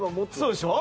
そうでしょ。